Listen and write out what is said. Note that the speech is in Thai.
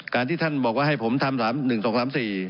ที่ท่านบอกว่าให้ผมทำ๓๑๒๓๔